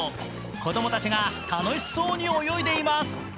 子供たちが楽しそうに泳いでいます。